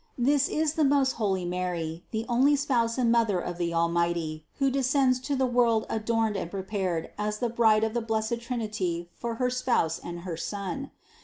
This is the most holy Mary, the only Spouse and Mother of the Almighty, who descends to the world adorned and prepared as the Bride of the blessed Trinity for her Spouse and her Son.